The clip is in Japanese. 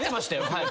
はい。